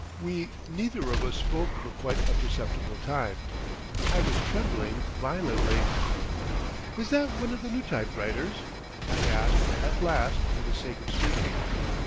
We neither of us spoke for quite a perceptible time. I was trembling violently. "Is that one of the new typewriters?" I asked at last for the sake of speaking.